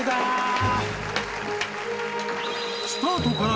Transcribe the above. ［スタートから］